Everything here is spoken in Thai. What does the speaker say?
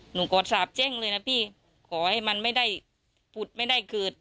กอดสาบแจ้งเลยนะพี่ขอให้มันไม่ได้ผุดไม่ได้เกิด